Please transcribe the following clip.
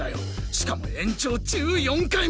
しかも延長１４回も！